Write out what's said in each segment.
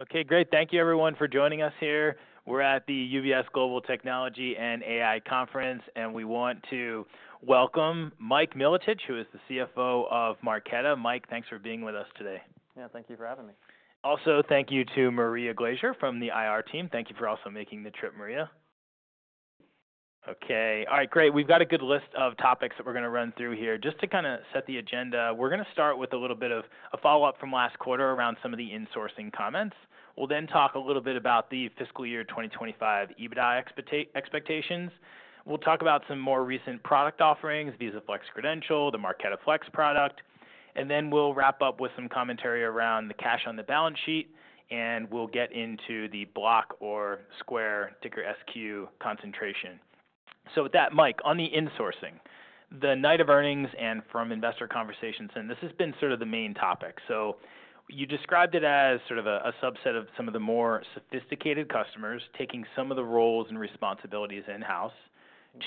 Okay, great. Thank you, everyone, for joining us here. We're at the UBS Global Technology and AI Conference, and we want to welcome Mike Milotich, who is the CFO of Marqeta. Mike, thanks for being with us today. Yeah, thank you for having me. Also, thank you to Maria Graizer from the IR team. Thank you for also making the trip, Maria. Okay, all right, great. We've got a good list of topics that we're going to run through here. Just to kind of set the agenda, we're going to start with a little bit of a follow-up from last quarter around some of the insourcing comments. We'll then talk a little bit about the fiscal year 2025 EBITDA expectations. We'll talk about some more recent product offerings, Visa Flexible Credential, the Marqeta Flex product. And then we'll wrap up with some commentary around the cash on the balance sheet, and we'll get into the Block or Square ticker SQ concentration. So with that, Mike, on the insourcing, the night of earnings and from investor conversations, and this has been sort of the main topic. So you described it as sort of a subset of some of the more sophisticated customers taking some of the roles and responsibilities in-house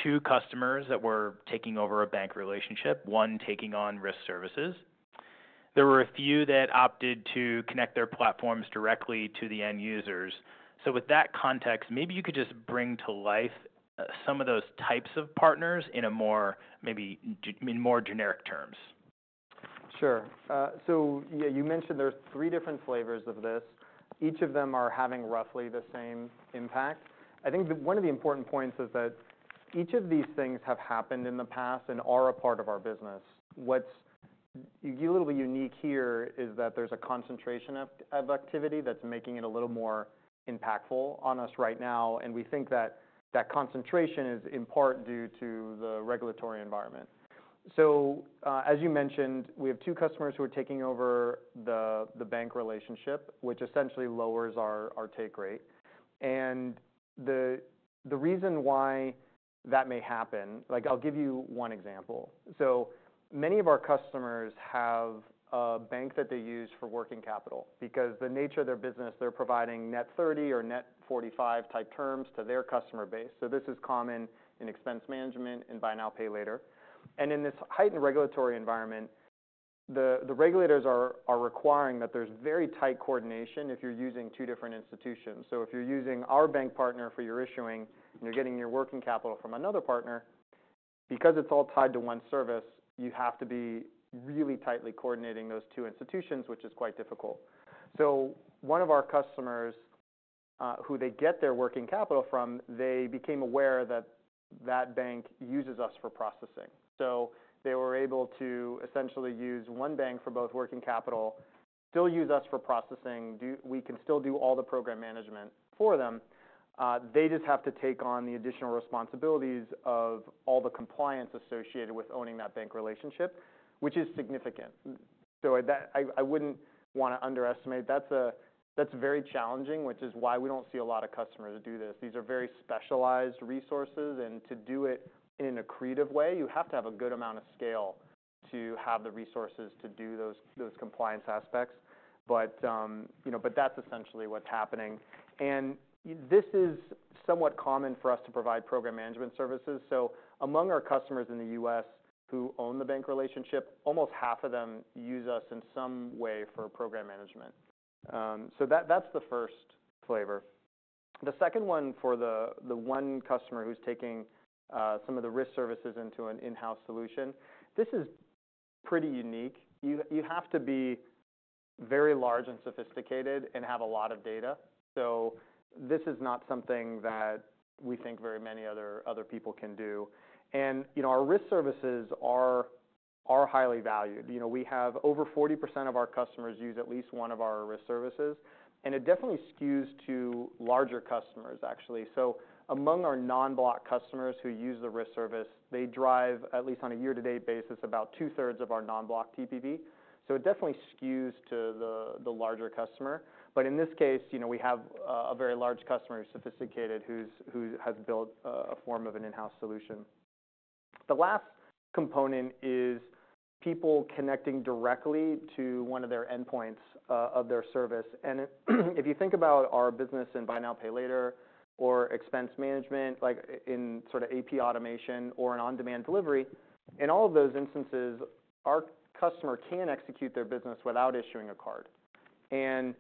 to customers that were taking over a bank relationship, one taking on risk services. There were a few that opted to connect their platforms directly to the end users. So with that context, maybe you could just bring to life some of those types of partners in a more, maybe in more generic terms. Sure. So you mentioned there's three different flavors of this. Each of them are having roughly the same impact. I think one of the important points is that each of these things have happened in the past and are a part of our business. What's a little bit unique here is that there's a concentration of activity that's making it a little more impactful on us right now. We think that that concentration is in part due to the regulatory environment. So as you mentioned, we have two customers who are taking over the bank relationship, which essentially lowers our take rate. The reason why that may happen, like I'll give you one example. So many of our customers have a bank that they use for working capital because the nature of their business, they're providing net 30 or net 45 type terms to their customer base. So this is common in expense management and buy now, pay later. And in this heightened regulatory environment, the regulators are requiring that there's very tight coordination if you're using two different institutions. So if you're using our bank partner for your issuing and you're getting your working capital from another partner, because it's all tied to one service, you have to be really tightly coordinating those two institutions, which is quite difficult. So one of our customers who they get their working capital from, they became aware that that bank uses us for processing. So they were able to essentially use one bank for both working capital, still use us for processing. We can still do all the program management for them. They just have to take on the additional responsibilities of all the compliance associated with owning that bank relationship, which is significant. So I wouldn't want to underestimate that. That's very challenging, which is why we don't see a lot of customers do this. These are very specialized resources. And to do it in a creative way, you have to have a good amount of scale to have the resources to do those compliance aspects. But that's essentially what's happening. And this is somewhat common for us to provide program management services. So among our customers in the U.S. who own the bank relationship, almost half of them use us in some way for program management. So that's the first flavor. The second one for the one customer who's taking some of the risk services into an in-house solution, this is pretty unique. You have to be very large and sophisticated and have a lot of data. So this is not something that we think very many other people can do. Our risk services are highly valued. We have over 40% of our customers use at least one of our risk services. And it definitely skews to larger customers, actually. So among our non-Block customers who use the risk service, they drive, at least on a year-to-date basis, about two-thirds of our non-Block TPV. So it definitely skews to the larger customer. But in this case, we have a very large customer who's sophisticated, who has built a form of an in-house solution. The last component is people connecting directly to one of their endpoints of their service. And if you think about our business in buy now, pay later or expense management, like in sort of AP automation or an on-demand delivery, in all of those instances, our customer can execute their business without issuing a card. And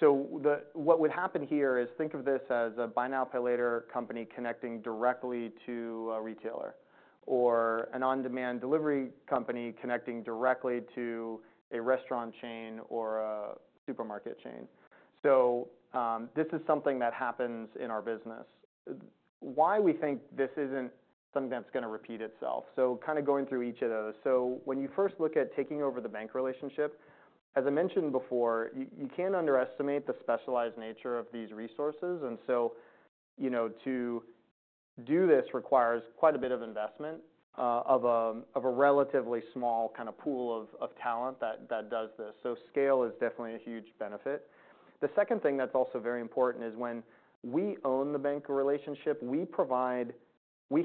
so, what would happen here is, think of this as a buy now, pay later company connecting directly to a retailer or an on-demand delivery company connecting directly to a restaurant chain or a supermarket chain. So this is something that happens in our business. Why we think this isn't something that's going to repeat itself. So kind of going through each of those. So when you first look at taking over the bank relationship, as I mentioned before, you can't underestimate the specialized nature of these resources. And so to do this requires quite a bit of investment of a relatively small kind of pool of talent that does this. So scale is definitely a huge benefit. The second thing that's also very important is when we own the bank relationship, we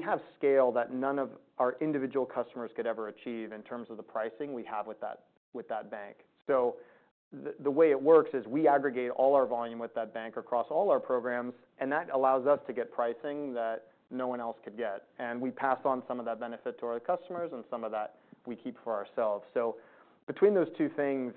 have scale that none of our individual customers could ever achieve in terms of the pricing we have with that bank. So the way it works is we aggregate all our volume with that bank across all our programs, and that allows us to get pricing that no one else could get. And we pass on some of that benefit to our customers, and some of that we keep for ourselves. So between those two things,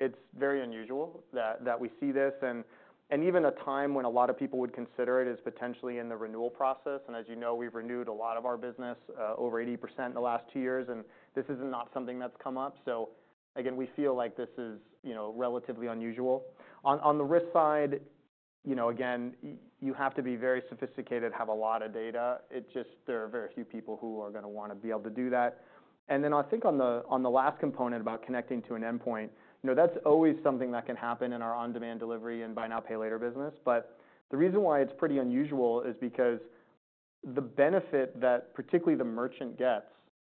it's very unusual that we see this. And even a time when a lot of people would consider it is potentially in the renewal process. And as you know, we've renewed a lot of our business, over 80% in the last two years. And this is not something that's come up. So again, we feel like this is relatively unusual. On the risk side, again, you have to be very sophisticated, have a lot of data. It's just there are very few people who are going to want to be able to do that. And then I think on the last component about connecting to an endpoint, that's always something that can happen in our on-demand delivery and buy now, pay later business. But the reason why it's pretty unusual is because the benefit that particularly the merchant gets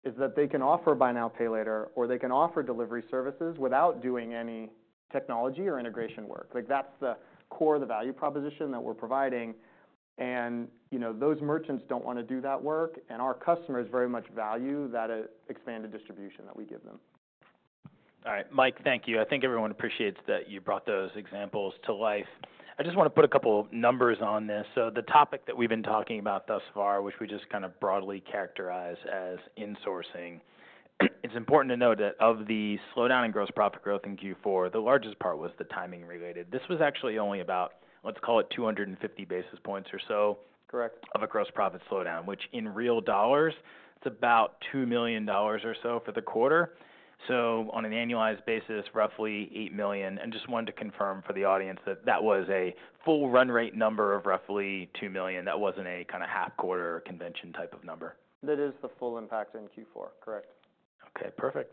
is that they can offer buy now, pay later, or they can offer delivery services without doing any technology or integration work. That's the core of the value proposition that we're providing. And those merchants don't want to do that work. And our customers very much value that expanded distribution that we give them. All right. Mike, thank you. I think everyone appreciates that you brought those examples to life. I just want to put a couple of numbers on this. So the topic that we've been talking about thus far, which we just kind of broadly characterize as insourcing, it's important to note that of the slowdown in gross profit growth in Q4, the largest part was the timing related. This was actually only about, let's call it 250 basis points or so, correct, of a gross profit slowdown, which in real dollars, it's about $2 million or so for the quarter. So on an annualized basis, roughly $8 million. And just wanted to confirm for the audience that that was a full run rate number of roughly $2 million. That wasn't a kind of half quarter convention type of number. That is the full impact in Q4, correct? Okay, perfect.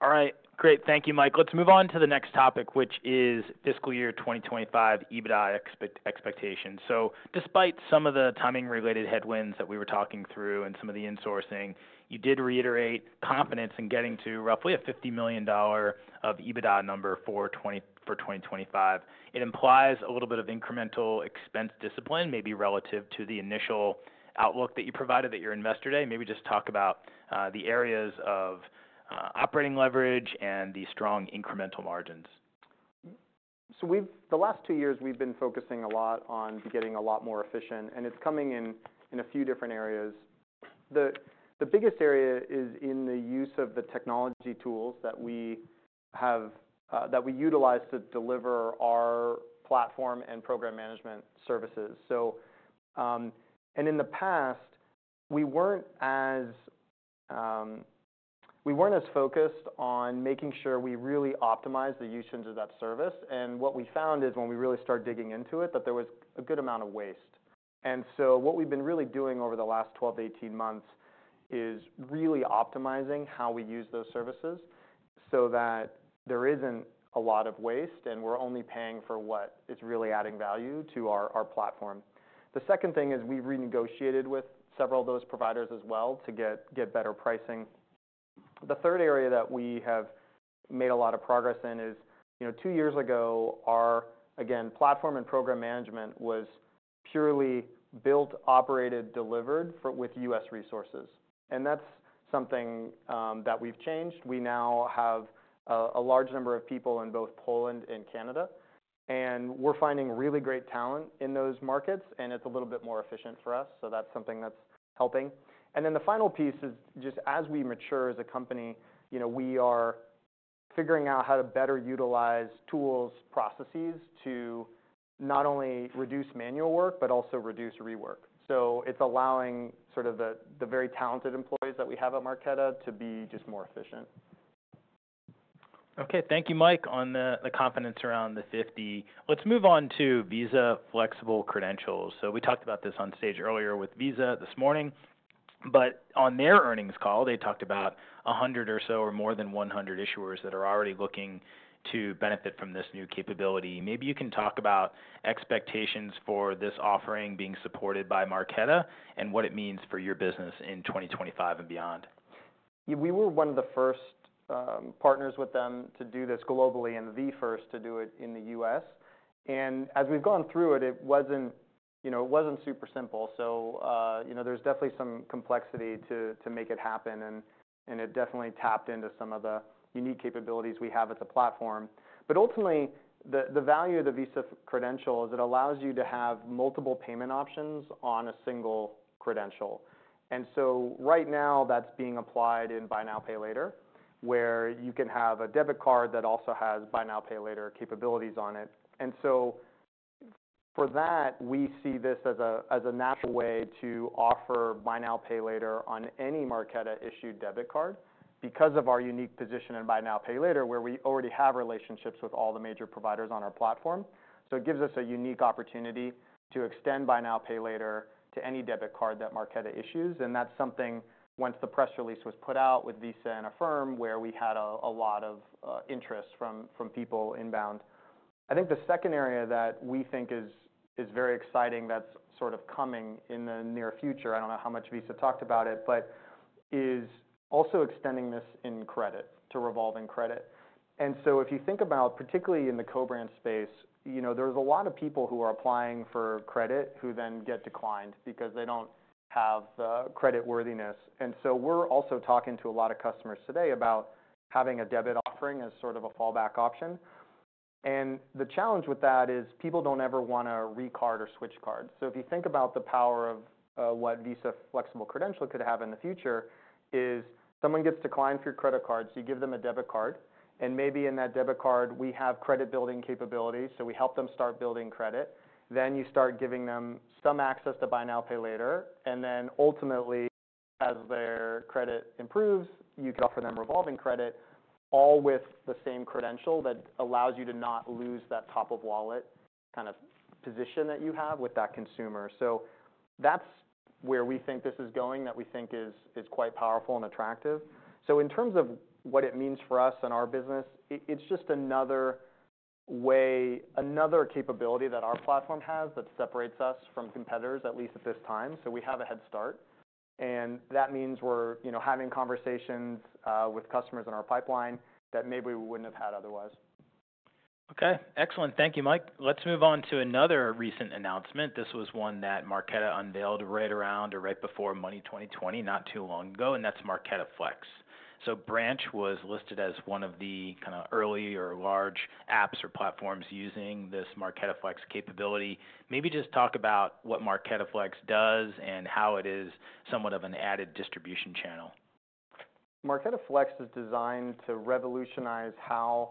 All right, great. Thank you, Mike. Let's move on to the next topic, which is fiscal year 2025 EBITDA expectations. So despite some of the timing related headwinds that we were talking through and some of the insourcing, you did reiterate confidence in getting to roughly a $50 million of EBITDA number for 2025. It implies a little bit of incremental expense discipline, maybe relative to the initial outlook that you provided at your investor day. Maybe just talk about the areas of operating leverage and the strong incremental margins. So the last two years, we've been focusing a lot on getting a lot more efficient. And it's coming in a few different areas. The biggest area is in the use of the technology tools that we utilize to deliver our platform and program management services. And in the past, we weren't as focused on making sure we really optimized the usage of that service. And what we found is when we really started digging into it, that there was a good amount of waste. And so what we've been really doing over the last 12-18 months is really optimizing how we use those services so that there isn't a lot of waste and we're only paying for what is really adding value to our platform. The second thing is we've renegotiated with several of those providers as well to get better pricing. The third area that we have made a lot of progress in is two years ago, our, again, platform and program management was purely built, operated, delivered with U.S. resources. And that's something that we've changed. We now have a large number of people in both Poland and Canada. And we're finding really great talent in those markets, and it's a little bit more efficient for us. So that's something that's helping. And then the final piece is just as we mature as a company, we are figuring out how to better utilize tools, processes to not only reduce manual work, but also reduce rework. So it's allowing sort of the very talented employees that we have at Marqeta to be just more efficient. Okay, thank you, Mike, on the confidence around the 50. Let's move on to Visa Flexible Credentials. So we talked about this on stage earlier with Visa this morning. But on their earnings call, they talked about 100 or so or more than 100 issuers that are already looking to benefit from this new capability. Maybe you can talk about expectations for this offering being supported by Marqeta and what it means for your business in 2025 and beyond. We were one of the first partners with them to do this globally and the first to do it in the U.S. And as we've gone through it, it wasn't super simple. So there's definitely some complexity to make it happen. And it definitely tapped into some of the unique capabilities we have as a platform. But ultimately, the value of the Visa Credential is it allows you to have multiple payment options on a single credential. And so right now, that's being applied in buy now, pay later, where you can have a debit card that also has buy now, pay later capabilities on it. And so for that, we see this as a natural way to offer buy now, pay later on any Marqeta-issued debit card because of our unique position in buy now, pay later, where we already have relationships with all the major providers on our platform. So it gives us a unique opportunity to extend buy now, pay later to any debit card that Marqeta issues. And that's something, once the press release was put out with Visa and Affirm, where we had a lot of interest from people inbound. I think the second area that we think is very exciting that's sort of coming in the near future, I don't know how much Visa talked about it, but is also extending this in credit to revolving credit. And so if you think about, particularly in the co-brand space, there's a lot of people who are applying for credit who then get declined because they don't have the creditworthiness. And so we're also talking to a lot of customers today about having a debit offering as sort of a fallback option. And the challenge with that is people don't ever want to re-card or switch cards. So if you think about the power of what Visa Flexible Credential could have in the future is someone gets declined for your credit card, so you give them a debit card. And maybe in that debit card, we have credit building capabilities. So we help them start building credit. Then you start giving them some access to buy now, pay later. And then ultimately, as their credit improves, you can offer them revolving credit all with the same credential that allows you to not lose that top-of-wallet kind of position that you have with that consumer. So that's where we think this is going that we think is quite powerful and attractive. So in terms of what it means for us and our business, it's just another way, another capability that our platform has that separates us from competitors, at least at this time. So we have a head start. And that means we're having conversations with customers in our pipeline that maybe we wouldn't have had otherwise. Okay, excellent. Thank you, Mike. Let's move on to another recent announcement. This was one that Marqeta unveiled right around or right before Money20/20, not too long ago. And that's Marqeta Flex. So Branch was listed as one of the kind of earlier large apps or platforms using this Marqeta Flex capability. Maybe just talk about what Marqeta Flex does and how it is somewhat of an added distribution channel. Marqeta Flex is designed to revolutionize how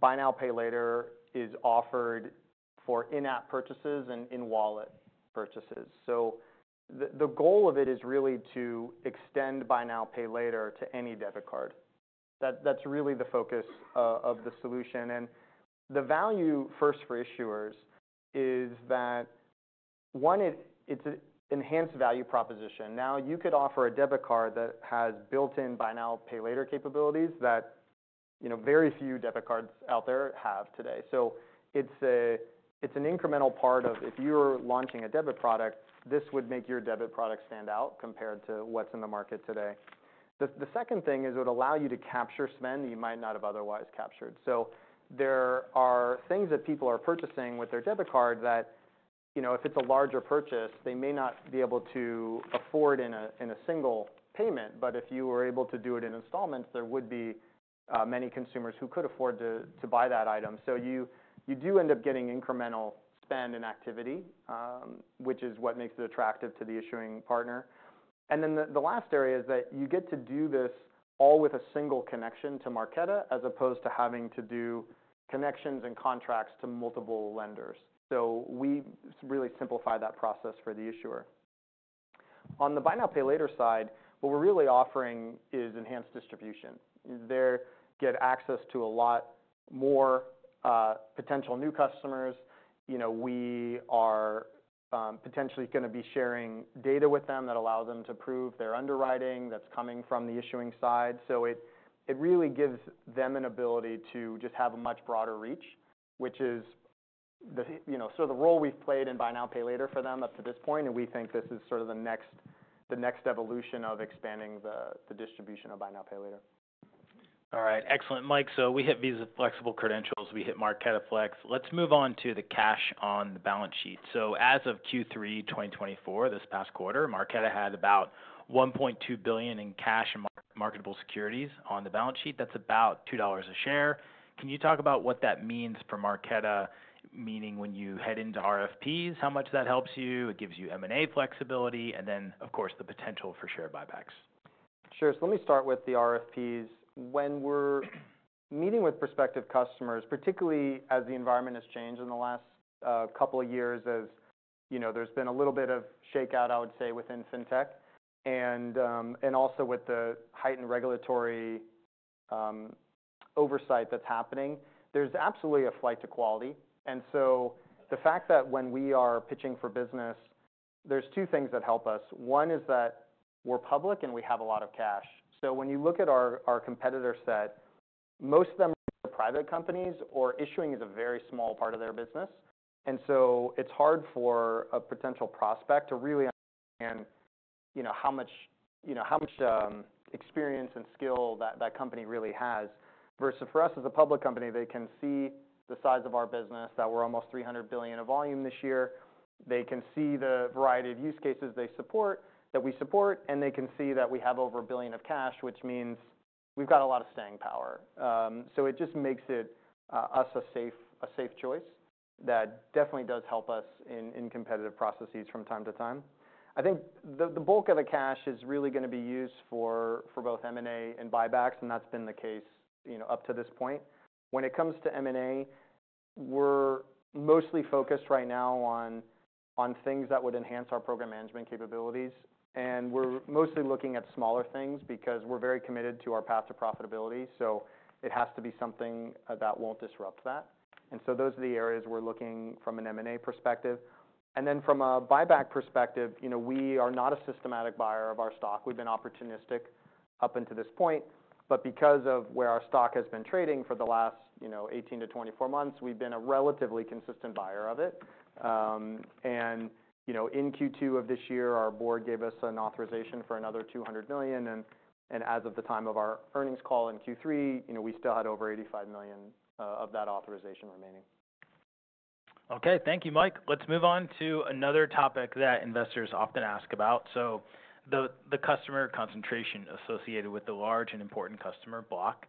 buy now, pay later is offered for in-app purchases and in-wallet purchases. So the goal of it is really to extend buy now, pay later to any debit card. That's really the focus of the solution. And the value first for issuers is that, one, it's an enhanced value proposition. Now, you could offer a debit card that has built-in buy now, pay later capabilities that very few debit cards out there have today. So it's an incremental part of if you're launching a debit product, this would make your debit product stand out compared to what's in the market today. The second thing is it would allow you to capture spend that you might not have otherwise captured. There are things that people are purchasing with their debit card that if it's a larger purchase, they may not be able to afford in a single payment. But if you were able to do it in installments, there would be many consumers who could afford to buy that item. So you do end up getting incremental spend and activity, which is what makes it attractive to the issuing partner. And then the last area is that you get to do this all with a single connection to Marqeta as opposed to having to do connections and contracts to multiple lenders. So we really simplify that process for the issuer. On the buy now, pay later side, what we're really offering is enhanced distribution. They get access to a lot more potential new customers. We are potentially going to be sharing data with them that allows them to prove their underwriting that's coming from the issuing side, so it really gives them an ability to just have a much broader reach, which is sort of the role we've played in buy now, pay later for them up to this point, and we think this is sort of the next evolution of expanding the distribution of buy now, pay later. All right, excellent. Mike, so we hit Visa Flexible Credential. We hit Marqeta Flex. Let's move on to the cash on the balance sheet. So as of Q3 2024, this past quarter, Marqeta had about $1.2 billion in cash and marketable securities on the balance sheet. That's about $2 a share. Can you talk about what that means for Marqeta, meaning when you head into RFPs, how much that helps you? It gives you M&A flexibility and then, of course, the potential for share buybacks. Sure. So let me start with the RFPs. When we're meeting with prospective customers, particularly as the environment has changed in the last couple of years, there's been a little bit of shakeout, I would say, within fintech. And also with the heightened regulatory oversight that's happening, there's absolutely a flight to quality. And so the fact that when we are pitching for business, there's two things that help us. One is that we're public and we have a lot of cash. So when you look at our competitor set, most of them are private companies or issuing is a very small part of their business. And so it's hard for a potential prospect to really understand how much experience and skill that company really has. Versus for us as a public company, they can see the size of our business, that we're almost $300 billion in volume this year. They can see the variety of use cases that we support, and they can see that we have over $1 billion in cash, which means we've got a lot of staying power. It just makes us a safe choice that definitely does help us in competitive processes from time to time. I think the bulk of the cash is really going to be used for both M&A and buybacks, and that's been the case up to this point. When it comes to M&A, we're mostly focused right now on things that would enhance our program management capabilities, and we're mostly looking at smaller things because we're very committed to our path to profitability. It has to be something that won't disrupt that, and those are the areas we're looking from an M&A perspective. And then from a buyback perspective, we are not a systematic buyer of our stock. We've been opportunistic up until this point. But because of where our stock has been trading for the last 18-24 months, we've been a relatively consistent buyer of it. And in Q2 of this year, our board gave us an authorization for another $200 million. And as of the time of our earnings call in Q3, we still had over $85 million of that authorization remaining. Okay, thank you, Mike. Let's move on to another topic that investors often ask about. So the customer concentration associated with the large and important customer Block.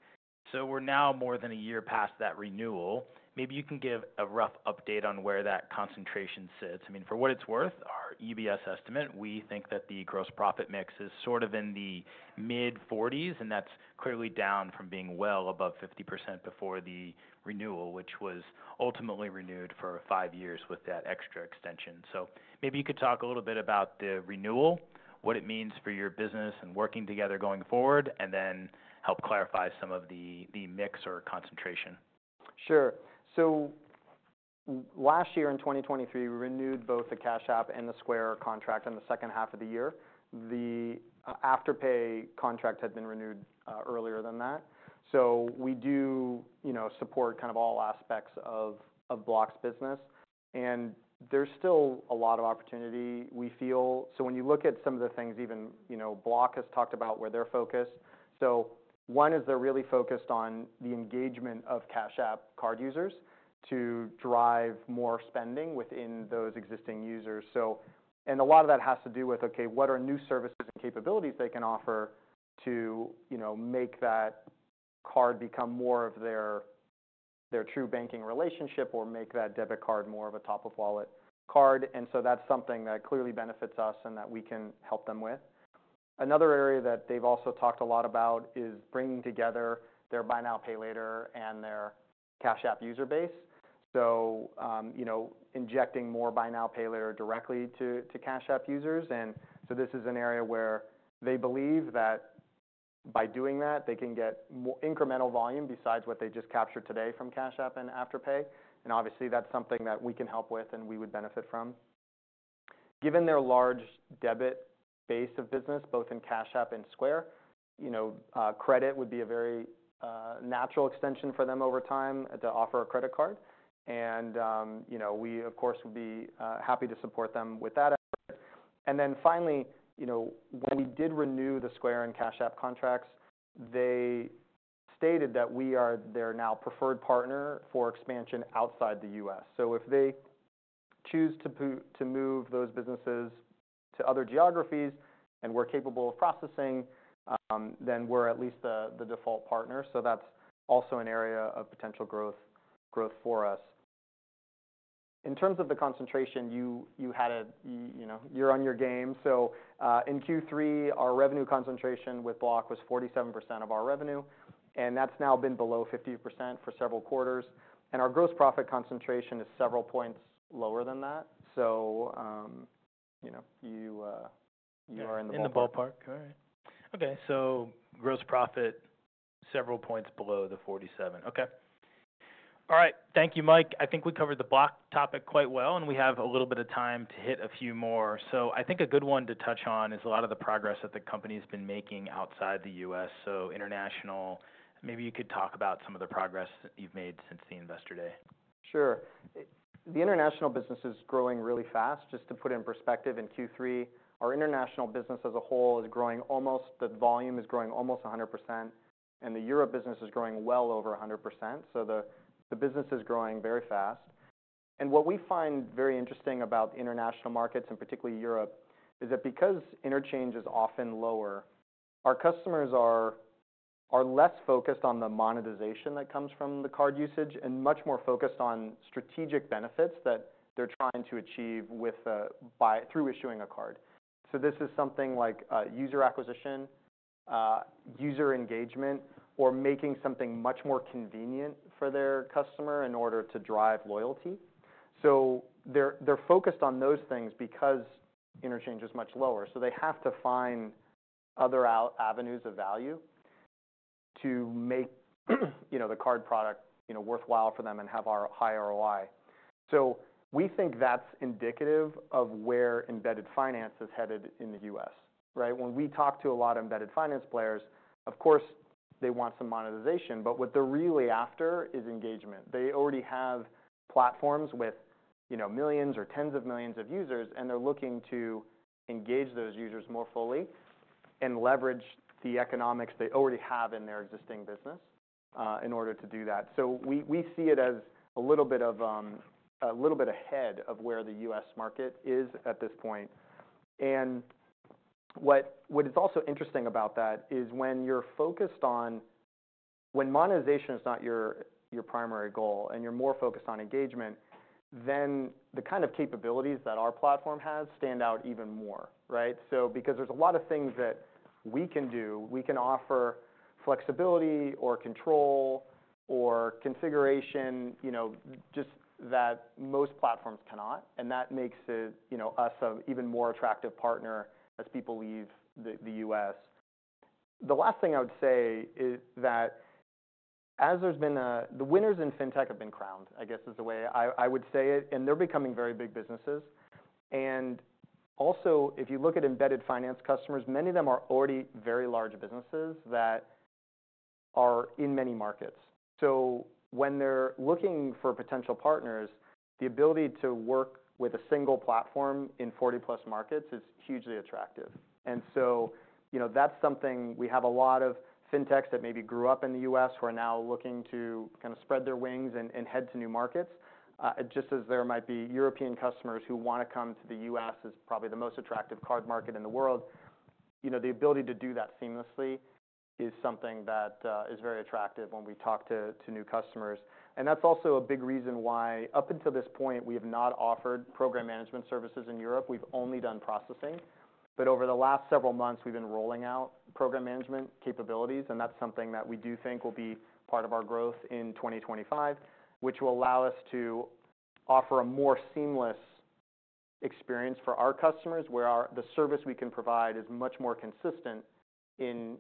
So we're now more than a year past that renewal. Maybe you can give a rough update on where that concentration sits. I mean, for what it's worth, our UBS estimate, we think that the gross profit mix is sort of in the mid-40s. And that's clearly down from being well above 50% before the renewal, which was ultimately renewed for five years with that extra extension. So maybe you could talk a little bit about the renewal, what it means for your business and working together going forward, and then help clarify some of the mix or concentration. Sure, so last year in 2023, we renewed both the Cash App and the Square contract in the second half of the year. The Afterpay contract had been renewed earlier than that, so we do support kind of all aspects of Block's business. And there's still a lot of opportunity, we feel, so when you look at some of the things, even Block has talked about where they're focused, so one is they're really focused on the engagement of Cash App Card users to drive more spending within those existing users. And a lot of that has to do with, okay, what are new services and capabilities they can offer to make that card become more of their true banking relationship or make that debit card more of a top-of-wallet card, and so that's something that clearly benefits us and that we can help them with. Another area that they've also talked a lot about is bringing together their buy now, pay later and their Cash App user base, so injecting more buy now, pay later directly to Cash App users. And so this is an area where they believe that by doing that, they can get incremental volume besides what they just captured today from Cash App and Afterpay, and obviously, that's something that we can help with and we would benefit from. Given their large debit base of business, both in Cash App and Square, credit would be a very natural extension for them over time to offer a credit card, and we, of course, would be happy to support them with that effort. And then finally, when we did renew the Square and Cash App contracts, they stated that we are their now preferred partner for expansion outside the U.S. So if they choose to move those businesses to other geographies and we're capable of processing, then we're at least the default partner. So that's also an area of potential growth for us. In terms of the concentration, you're on your game. So in Q3, our revenue concentration with Block was 47% of our revenue. And that's now been below 50% for several quarters. And our gross profit concentration is several points lower than that. So you are in the ballpark. In the ballpark. All right. Okay, so gross profit several points below the 47%. Okay. All right. Thank you, Mike. I think we covered the Block topic quite well, and we have a little bit of time to hit a few more, so I think a good one to touch on is a lot of the progress that the company has made outside the U.S., so international. Maybe you could talk about some of the progress you've made since the investor day. Sure. The international business is growing really fast. Just to put it in perspective, in Q3, our international business as a whole is growing almost the volume is growing almost 100%. And the Europe business is growing well over 100%. So the business is growing very fast. And what we find very interesting about international markets and particularly Europe is that because interchange is often lower, our customers are less focused on the monetization that comes from the card usage and much more focused on strategic benefits that they're trying to achieve through issuing a card. So this is something like user acquisition, user engagement, or making something much more convenient for their customer in order to drive loyalty. So they're focused on those things because interchange is much lower. So they have to find other avenues of value to make the card product worthwhile for them and have a high ROI. So we think that's indicative of where embedded finance is headed in the U.S., right? When we talk to a lot of embedded finance players, of course, they want some monetization. But what they're really after is engagement. They already have platforms with millions or tens of millions of users. And they're looking to engage those users more fully and leverage the economics they already have in their existing business in order to do that. So we see it as a little bit ahead of where the U.S. market is at this point. What is also interesting about that is when you're focused on when monetization is not your primary goal and you're more focused on engagement, then the kind of capabilities that our platform has stand out even more, right? So because there's a lot of things that we can do, we can offer flexibility or control or configuration just that most platforms cannot. And that makes us an even more attractive partner as people leave the U.S. The last thing I would say is that as the winners in fintech have been crowned, I guess is the way I would say it. And they're becoming very big businesses. And also, if you look at embedded finance customers, many of them are already very large businesses that are in many markets. So when they're looking for potential partners, the ability to work with a single platform in 40-plus markets is hugely attractive. And so that's something we have a lot of fintechs that maybe grew up in the U.S. who are now looking to kind of spread their wings and head to new markets. Just as there might be European customers who want to come to the U.S. as probably the most attractive card market in the world, the ability to do that seamlessly is something that is very attractive when we talk to new customers. And that's also a big reason why up until this point, we have not offered program management services in Europe. We've only done processing. But over the last several months, we've been rolling out program management capabilities. That's something that we do think will be part of our growth in 2025, which will allow us to offer a more seamless experience for our customers, where the service we can provide is much more consistent in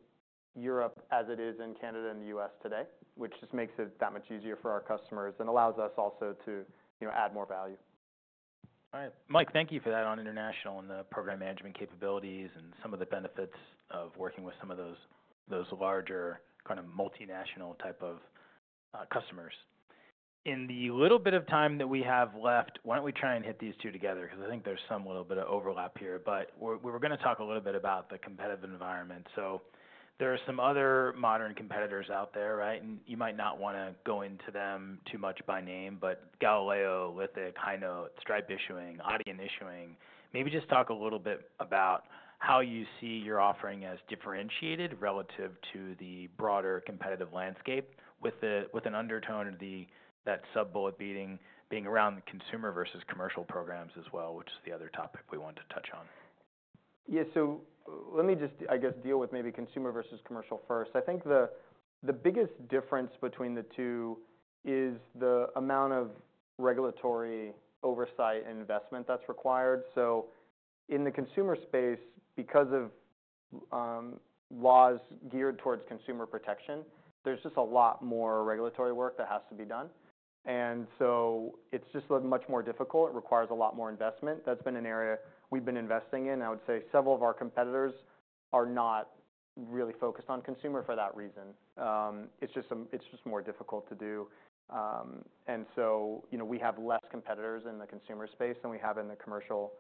Europe as it is in Canada and the U.S. today, which just makes it that much easier for our customers and allows us also to add more value. All right. Mike, thank you for that on international and the program management capabilities and some of the benefits of working with some of those larger kind of multinational type of customers. In the little bit of time that we have left, why don't we try and hit these two together? Because I think there's some little bit of overlap here, but we were going to talk a little bit about the competitive environment, so there are some other modern competitors out there, right, and you might not want to go into them too much by name, but Galileo, Lithic, Highnote, Stripe Issuing, Adyen Issuing. Maybe just talk a little bit about how you see your offering as differentiated relative to the broader competitive landscape with an undertone of that sub-bullet being around consumer versus commercial programs as well, which is the other topic we wanted to touch on. Yeah, so let me just, I guess, deal with maybe consumer versus commercial first. I think the biggest difference between the two is the amount of regulatory oversight and investment that's required. So in the consumer space, because of laws geared towards consumer protection, there's just a lot more regulatory work that has to be done. And so it's just much more difficult. It requires a lot more investment. That's been an area we've been investing in. I would say several of our competitors are not really focused on consumer for that reason. It's just more difficult to do. And so we have less competitors in the consumer space than we have in the commercial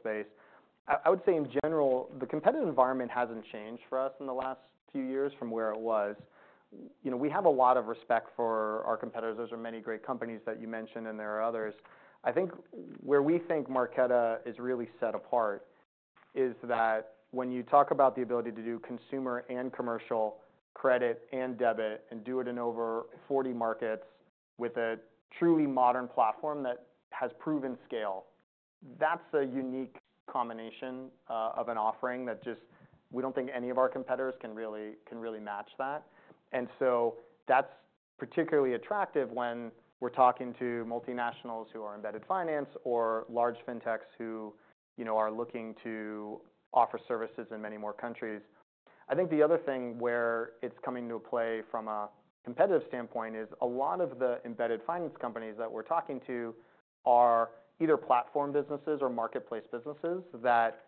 space. I would say in general, the competitive environment hasn't changed for us in the last few years from where it was. We have a lot of respect for our competitors. Those are many great companies that you mentioned, and there are others. I think where we think Marqeta is really set apart is that when you talk about the ability to do consumer and commercial credit and debit and do it in over 40 markets with a truly modern platform that has proven scale, that's a unique combination of an offering that just we don't think any of our competitors can really match that, and so that's particularly attractive when we're talking to multinationals who are embedded finance or large fintechs who are looking to offer services in many more countries. I think the other thing where it's coming into play from a competitive standpoint is a lot of the embedded finance companies that we're talking to are either platform businesses or marketplace businesses that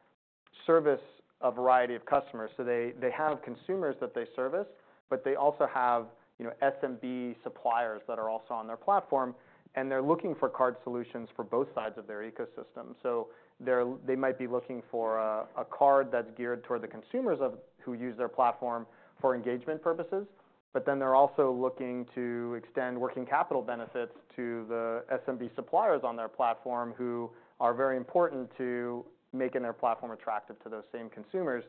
service a variety of customers. They have consumers that they service, but they also have SMB suppliers that are also on their platform. And they're looking for card solutions for both sides of their ecosystem. So they might be looking for a card that's geared toward the consumers who use their platform for engagement purposes. But then they're also looking to extend working capital benefits to the SMB suppliers on their platform who are very important to making their platform attractive to those same consumers.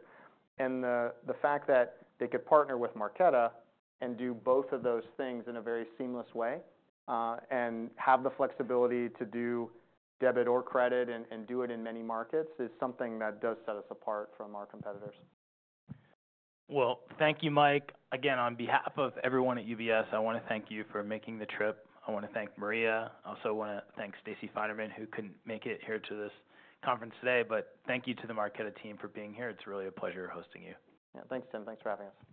And the fact that they could partner with Marqeta and do both of those things in a very seamless way and have the flexibility to do debit or credit and do it in many markets is something that does set us apart from our competitors. Thank you, Mike. Again, on behalf of everyone at UBS, I want to thank you for making the trip. I want to thank Maria. I also want to thank Stacey Finerman, who couldn't make it here to this conference today. But thank you to the Marqeta team for being here. It's really a pleasure hosting you. Yeah. Thanks, Tim. Thanks for having us.